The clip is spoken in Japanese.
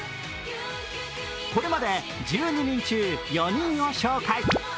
これまで１２人中４人を紹介。